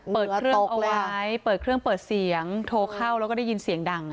เปิดเครื่องเอาไว้เปิดเครื่องเปิดเสียงโทรเข้าแล้วก็ได้ยินเสียงดัง